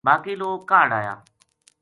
باقی لوک کاہڈ آیا